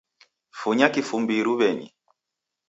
Funya kifumbi iruw'enyi